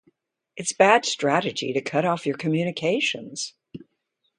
It's bad strategy to cut off your communications.